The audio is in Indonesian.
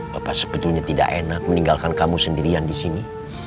bapak sebetulnya tidak enak meninggalkan kamu sendirian disini